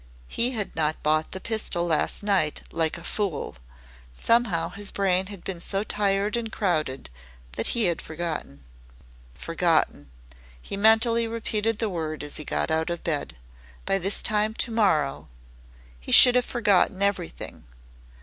He had not bought the pistol last night like a fool. Somehow his brain had been so tired and crowded that he had forgotten. "Forgotten." He mentally repeated the word as he got out of bed. By this time to morrow he should have forgotten everything.